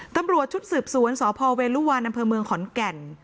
ตำรวจชุดสืบสวนสพเวลุวันอำเภอเมืองขอนแก่น